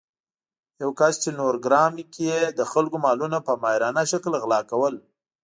یو کس چې نورګرام کې يې د خلکو مالونه په ماهرانه شکل غلا کول